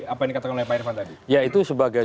apa yang dikatakan oleh pak irvan tadi ya itu sebagai